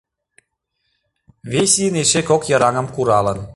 Вес ийын эше кок йыраҥым куралын.